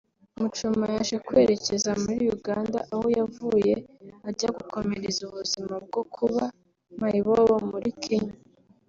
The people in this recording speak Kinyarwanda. Muchoma yaje kwerekeza muri Uganda aho yavuye ajya gukomereza ubuzima bwo kuba mayibobo muri Kenya